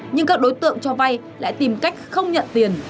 nhưng các đối tượng cho vay lại tìm cách không nhận tiền